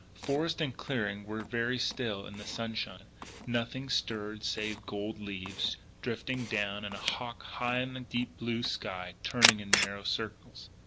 Forest and clearing were very still in the sunshine. Nothing stirred save gold leaves drifting down, and a hawk high in the deep blue sky turning in narrow circles.